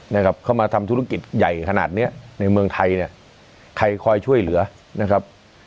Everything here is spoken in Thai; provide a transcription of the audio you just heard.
นะครับเข้ามาทำธุรกิจใหญ่ขนาดเนี้ยในเมืองไทยเนี่ยใครคอยช่วยเหลือนะครับ